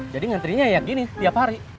jadi ngantrinya kayak gini tiap hari